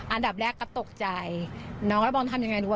อันดับแรกก็ตกใจน้องก็บอกทำยังไงดูว่า